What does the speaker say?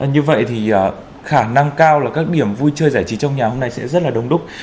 như vậy thì khả năng cao là các điểm vui chơi giải trí trong nhà hôm nay sẽ rất là đông đúc